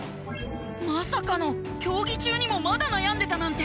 まさかの競技中にもまだ悩んでたなんて。